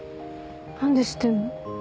何で知ってんの？